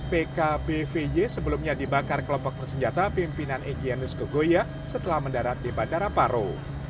pkpvj sebelumnya dibakar kelompok persenjata pimpinan egn nuskogoya setelah mendarat di bandara paro